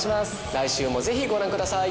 来週もぜひご覧ください。